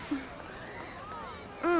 うん！